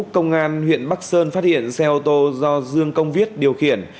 công an huyện bắc sơn phát hiện xe ô tô do dương công viết điều khiển